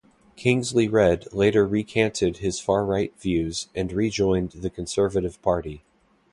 Kingsley Read later recanted his far right views and re-joined the Conservative Party.